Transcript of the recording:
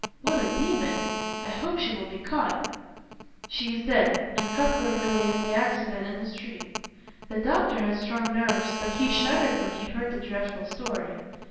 "What a demon! I hope she will be caught." "She is dead," and Cuthbert related the accident in the street. The doctor had strong nerves, but he shuddered when he heard the dreadful story.